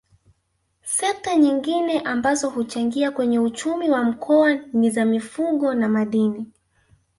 Sekta nyingine ambazo huchangia kwenye uchumi wa Mkoa ni za Mifugo na Madini